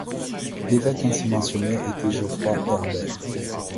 L'évêque ainsi mentionné était Geoffroy Herbert.